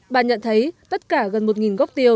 bà nhận thấy tất cả gần một gốc tiêu